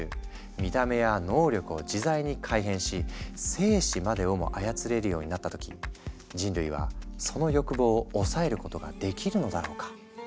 見た目や能力を自在に改変し生死までをも操れるようになった時人類はその欲望を抑えることができるのだろうか。